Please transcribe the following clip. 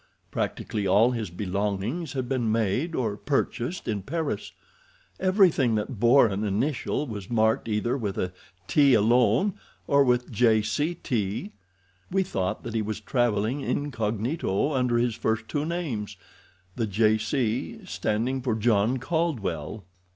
Practically all his belongings had been made, or purchased, in Paris. Everything that bore an initial was marked either with a 'T' alone, or with 'J. C. T.' We thought that he was traveling incognito under his first two names—the J. C. standing for John Caldwell."